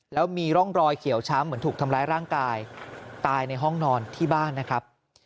แล้วมีร่องรอยเขียวช้ำเหมือนถูกทำร้ายร่างกายตายในห้องนอนที่บ้านนะครับ